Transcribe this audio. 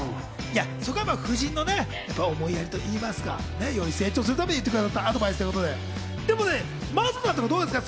そこは夫人の思いやりと言いますか、より成長するために言ってくれたアドバイスということで、真麻さんとかどうですか？